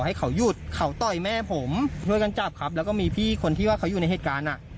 ให้เขาหยุดเขาต่อยแม่ผมช่วยกันจับครับแล้วก็มีพี่คนที่ว่าเขาอยู่ในเหตุการณ์อ่ะ